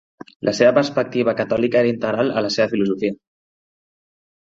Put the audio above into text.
La seva perspectiva catòlica era integral a la seva filosofia.